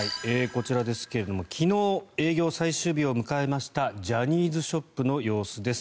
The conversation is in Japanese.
こちらですが、昨日営業最終日を迎えましたジャニーズショップの様子です。